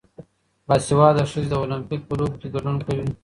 باسواده ښځې د اولمپیک په لوبو کې ګډون کوي.